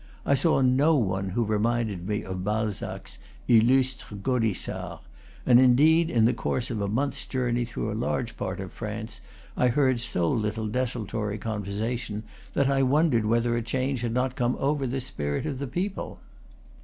I saw no one who re minded me of Balzac's "illustre Gaudissart;" and in deed, in the course of a month's journey through a large part of France, I heard so little desultory con versation that I wondered whether a change had not come over the spirit of the people.